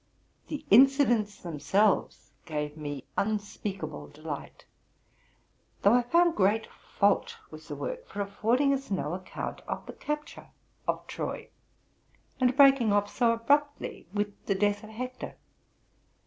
The incidents themselves gave me unspeakable delight ; though I found great fault with the work for afford ing us no account of the capture of Troy, and breaking off so abruptly with the death of Hector.